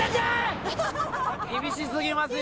厳し過ぎますよ。